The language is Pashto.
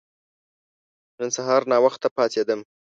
نن سهار ناوخته پاڅیدم.